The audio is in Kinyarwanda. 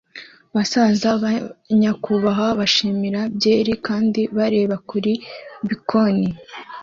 Basaza banyakubahwa bishimira byeri kandi bareba kuri bkoni